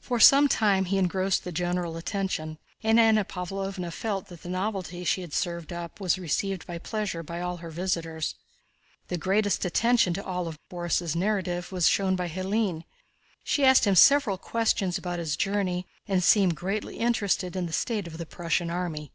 For some time he engrossed the general attention, and Anna Pávlovna felt that the novelty she had served up was received with pleasure by all her visitors. The greatest attention of all to Borís' narrative was shown by Hélène. She asked him several questions about his journey and seemed greatly interested in the state of the Prussian army.